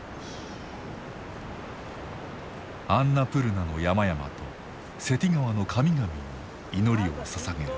アンナプルナの山々とセティ川の神々に祈りをささげる。